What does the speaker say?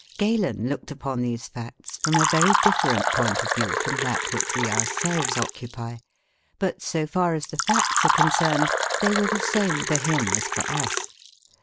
Galen looked upon these facts from a very different point of view from that which we ourselves occupy; but, so far as the facts are concerned, they were the same for him as for us.